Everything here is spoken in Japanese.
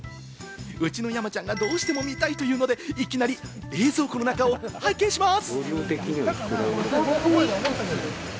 うちの山ちゃんがどうしても見たいというので、いきなり冷蔵庫の中を拝見します！